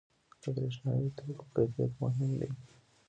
• د برېښنايي توکو کیفیت مهم دی.